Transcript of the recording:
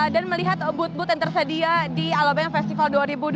dan melihat booth booth yang tersedia di alobank festival dua ribu dua puluh dua